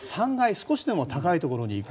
少しでも高いところに行く。